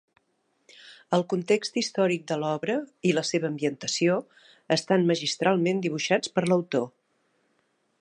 El context històric de l'obra i la seva ambientació estan magistralment dibuixats per l'autor.